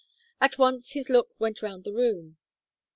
At once his look went round the room.